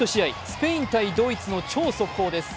スペイン×ドイツの超速報です。